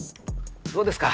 どうですか？